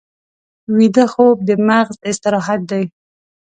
ویده خوب د مغز استراحت دی